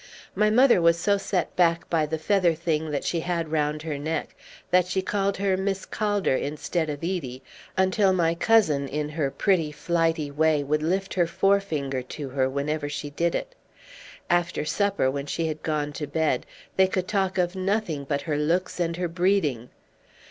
My mother was so set back by the feather thing that she had round her neck that she called her Miss Calder instead of Edie, until my cousin in her pretty flighty way would lift her forefinger to her whenever she did it. After supper, when she had gone to bed, they could talk of nothing but her looks and her breeding.